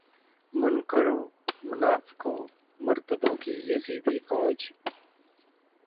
منکروں منافقوں مرتدوں کی یزیدی فوج